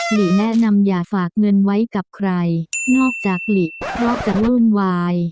หลีแนะนำอย่าฝากเงินไว้กับใครนอกจากหลีเพราะจะวุ่นวาย